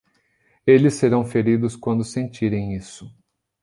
Eles serão feridos quando sentirem isso.